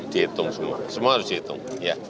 terhitung semua semua harus terhitung